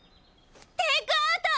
テイクアウト！